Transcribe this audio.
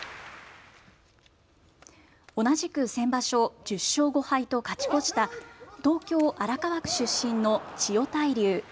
同じく先場所、１０勝５敗と勝ち越した東京荒川区出身の千代大龍。